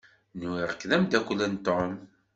Nwiɣ-k d amdakel n Tom.